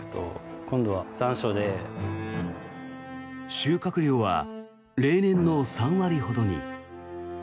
収穫量は例年の３割ほどに。